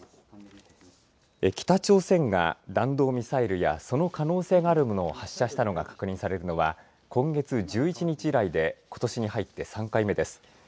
北朝鮮が弾道ミサイルやその可能性があるものを発射したのが確認されるのは今月１１日以来でことしに入って３回目です。